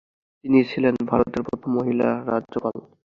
তিনিই ছিলেন ভারতের প্রথম মহিলা রাজ্যপাল।